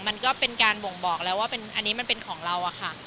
มันก็เป็นการบ่งบอกแล้วว่าอันนี้มันเป็นของเราอะค่ะ